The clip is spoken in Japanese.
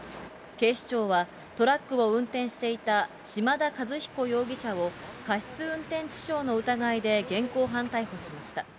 警視庁はトラックを運転していた島田和彦容疑者を、過失運転致傷の疑いで現行犯逮捕しました。